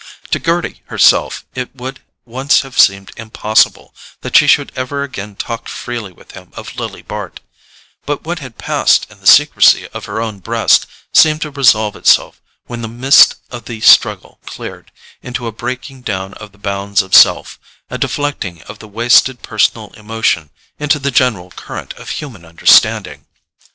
To Gerty herself it would once have seemed impossible that she should ever again talk freely with him of Lily Bart; but what had passed in the secrecy of her own breast seemed to resolve itself, when the mist of the struggle cleared, into a breaking down of the bounds of self, a deflecting of the wasted personal emotion into the general current of human understanding.